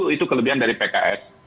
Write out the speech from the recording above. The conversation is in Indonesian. itu kelebihan dari pks